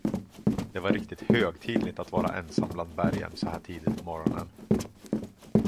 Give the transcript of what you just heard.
Det var riktigt högtidligt att vara ensam bland bergen så här tidigt på morgonen.